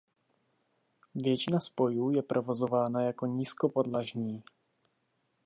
Většina spojů je provozována jako nízkopodlažní.